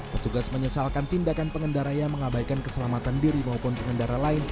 petugas menyesalkan tindakan pengendara yang mengabaikan keselamatan diri maupun pengendara lain